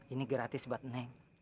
ini gratis buat neng